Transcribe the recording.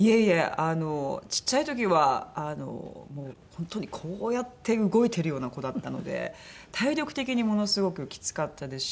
あのちっちゃい時はもう本当にこうやって動いてるような子だったので体力的にものすごくきつかったですし。